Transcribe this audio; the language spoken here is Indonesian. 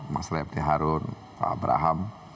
mas refti harun pak abraham